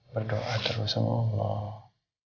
berdoa terus sama allah